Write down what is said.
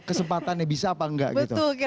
kesempatannya bisa apa enggak gitu